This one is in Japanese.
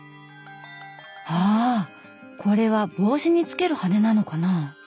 あぁこれは帽子につける羽根なのかなぁ。